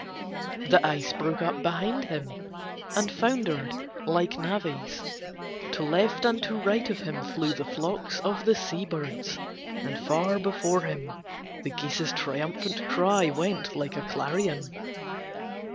The ice broke up behind him and foundered like navies. To left and to right of him flew the flocks of the sea birds, and far before him the geese's triumphant cry went like a clarion.